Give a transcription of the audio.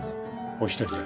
お一人で？